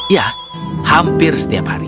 ya hampir setiap hari